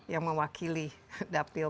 yang mewakili dapil